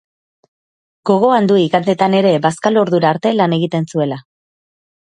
Gogoan du igandeetan ere bazkalordura arte lan egiten zuela.